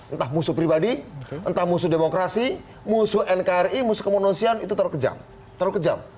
entah musuh pribadi entah musuh demokrasi musuh nkri musuh komunosian itu terlalu kejam